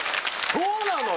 そうなのよ！